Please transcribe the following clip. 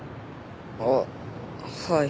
あっはい。